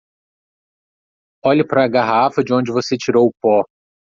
Olhe para a garrafa de onde você tirou o pó.